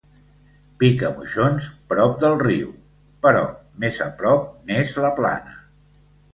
Picamoixons, prop del riu, però més a prop n'és la Plana.